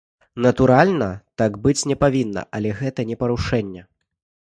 Натуральна, так быць не павінна, але гэта не парушэнне.